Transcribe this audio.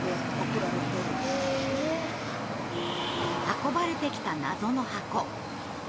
運ばれてきた謎の箱。